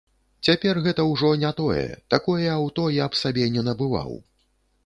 Цяпер гэта ўжо не тое, такое аўто я б сабе не набываў.